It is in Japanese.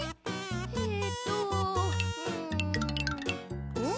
えっとうんん？